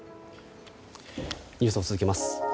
ニュースを続けます。